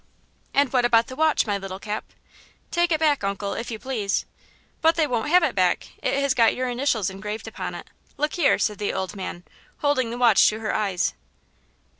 "And what about the watch, my little Cap?" "Take it back, uncle, if you please." "But they won't have it back; it has got your initials engraved upon it. Look here," said the old man, holding the watch to her eyes.